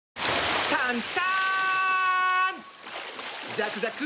ザクザク！